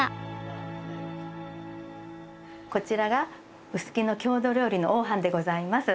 こちらが臼杵の郷土料理の黄飯でございます。